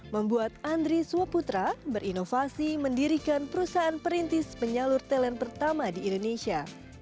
membuat andri swaputra berinovasi mendirikan perusahaan perintis penyalur talent pertama di indonesia